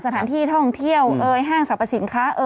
สถานที่ท่องเที่ยวห้างสรรพสินค้า